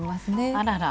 あらら。